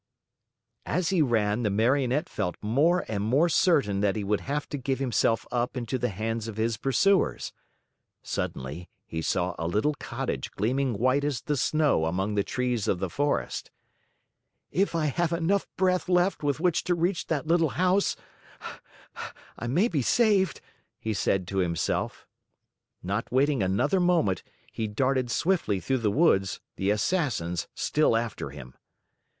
As he ran, the Marionette felt more and more certain that he would have to give himself up into the hands of his pursuers. Suddenly he saw a little cottage gleaming white as the snow among the trees of the forest. "If I have enough breath left with which to reach that little house, I may be saved," he said to himself. Not waiting another moment, he darted swiftly through the woods, the Assassins still after him.